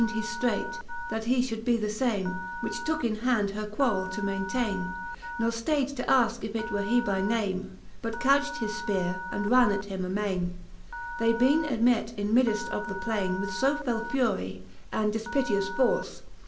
Well weend he ftreight, that he fhould be the fame, Which tooke in hand her quarrel to maintaine; Ne ftayd to alke, if it were he by name, But coucht his fpeare, and ran at him amaine. They bene ymett in middeft of the plaine, With fb fell fury, and difpiteous forle.